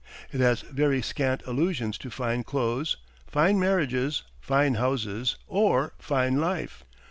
It has very scant allusion to fine clothes, fine marriages, fine houses, or fine life."